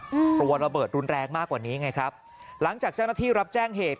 กลัวระเบิดรุนแรงมากกว่านี้ไงครับหลังจากเจ้าหน้าที่รับแจ้งเหตุ